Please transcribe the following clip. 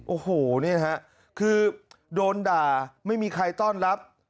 โอ้โหนี่ฮะคือโดนด่าไม่มีใครต้อนรับ